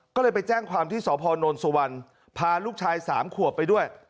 ก็เลยไปแจ้งความที่สพนสุวรรณพาลูกชาย๓ขวบไปด้วย